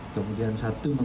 kemudian satu menggunakan